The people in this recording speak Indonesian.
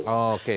oh disebut juga